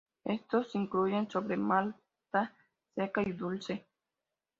Estos incluyen cobre, malta, seca y dulce.